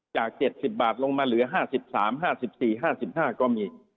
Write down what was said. จาก๗๐บาทลงมาเหลือ๕๓๕๔๕๕ก็มี